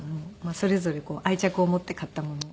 それぞれ愛着を持って買ったもの。